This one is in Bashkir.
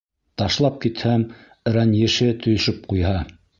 Ташлап китһәм, рәнйеше төшөп ҡуйһа.